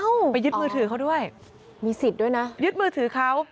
อ้าวอ๋อมีสิทธิ์ด้วยนะยึดมือถือเขา